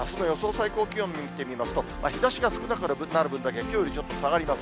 最高気温見てみますと、日ざしが少なくなる分だけ、きょうよりちょっと下がります。